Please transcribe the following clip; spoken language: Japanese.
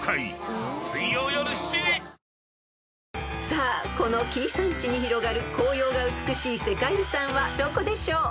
［さあこの紀伊山地に広がる紅葉が美しい世界遺産はどこでしょう］